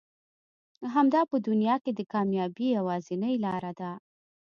همدا په دنيا کې د کاميابي يوازنۍ لاره ده.